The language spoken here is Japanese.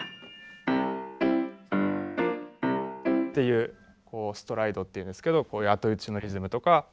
っていうストライドっていうんですけどこういう後打ちのリズムとか。